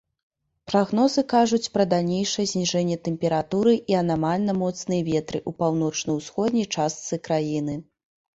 Прагнозы кажуць пра далейшае зніжэнне тэмпературы і анамальна моцныя ветры ў паўночна-ўсходняй частцы краіны.